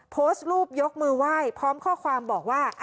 โพสต์รูปยกมือไหว้พร้อมข้อความบอกว่า